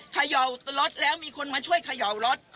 เขย่ารถแล้วมีคนมาช่วยเขย่ารถ